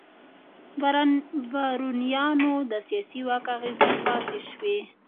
بارونیانو د سیاسي واک اغېزې پاتې شوې.